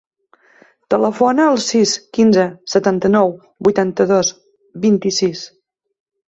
Telefona al sis, quinze, setanta-nou, vuitanta-dos, vint-i-sis.